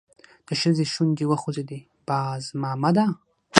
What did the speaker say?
د ښځې شونډې وخوځېدې: باز مامده!